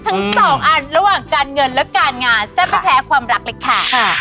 ทั้งสองอันระหว่างการเงินและการงานแซ่บไม่แพ้ความรักเลยค่ะ